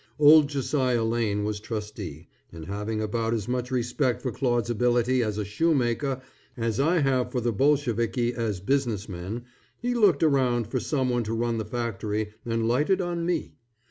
Old Josiah Lane was trustee, and having about as much respect for Claude's ability as a shoemaker as I have for the Bolsheviki as business men, he looked around for someone to run the factory and lighted on me.